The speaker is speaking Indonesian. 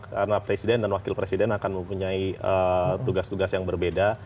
karena presiden dan wakil presiden akan mempunyai tugas tugas yang berbeda